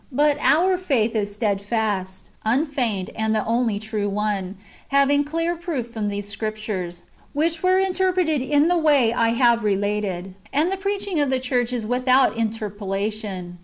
But our faith is stedfast, unfeigned, and the only true one, having clear proof from these Scriptures, which v\ ere interpreted in the way I have related ; and the preaching of the church is without inter polation.